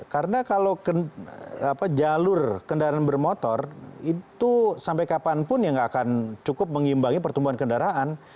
karena kalau jalur kendaraan bermotor itu sampai kapanpun ya nggak akan cukup mengimbangi pertumbuhan kendaraan